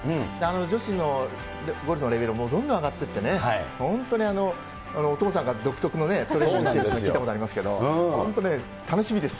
女子のゴルフのレベルはどんどん上がっていってね、本当にお父さんが独特のをしていると聞いたことありますけれども本当ね、楽しみです。